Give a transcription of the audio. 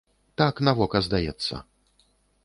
Так на вока здаецца.